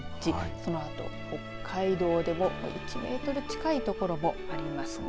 そのあと北海道でも１メートル近い所もありますね。